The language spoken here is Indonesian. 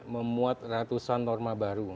memuat ratusan norma baru